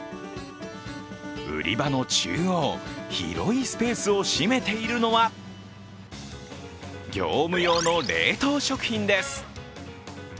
売り場の中央、広いスペースを占めているのは業務用の冷凍食品です。